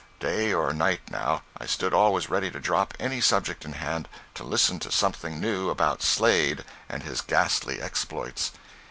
Day or night, now, I stood always ready to drop any subject in hand, to listen to something new about Slade and his ghastly exploits.